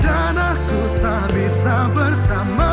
aku akan mencari kamu